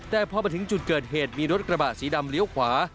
แต่พอมาถึงจุดเกิดเหตุมีรถกระบะสีดำเลี้ยวขวา